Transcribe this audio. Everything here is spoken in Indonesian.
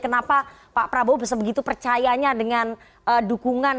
kenapa pak prabowo sebegitu percayanya dengan dukungan